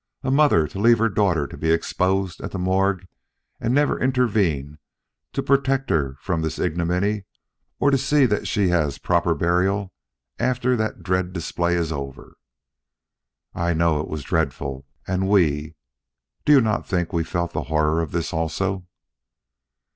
A mother to leave her daughter to be exposed at the morgue, and never intervene to protect her from this ignominy or to see that she has proper burial after that dread display is over!" "I know it was dreadful and we! Do you not think we felt the horror of this also?"